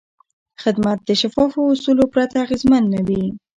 خدمت د شفافو اصولو پرته اغېزمن نه وي.